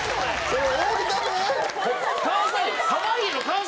それ。